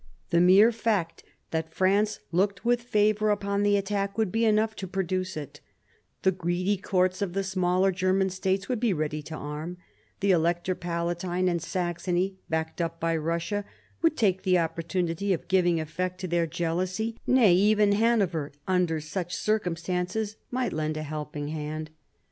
The mere fact 90 MARIA THERESA chap, v that France looked with favour upon the attack would be enough to produce it The greedy courts of the smaller German states would be ready to arm ; the Elector Palatine and Saxony, backed up by Kussia, would take the opportunity of giving effect to their jealousy ; nay, even Hanover, under such circumstances, might lend a helping hand.